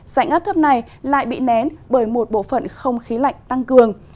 dạnh áp thấp này lại bị nén bởi một bộ phận không khí lạnh tăng cường